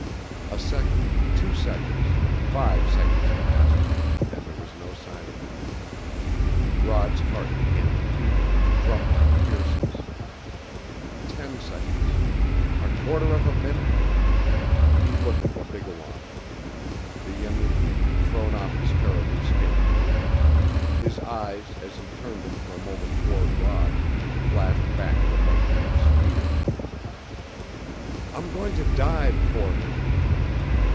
A second, two seconds, five seconds passed, and there was no sign of him. Rod's heart began to beat with drum like fierceness. Ten seconds! A quarter of a minute! He looked at Wabigoon. The young Indian had thrown off his caribou skin coat; his eyes, as he turned them for a moment toward Rod, flashed back the white youth's fear. "I'm going to dive for him!"